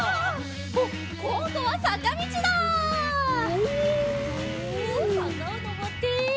おさかをのぼって。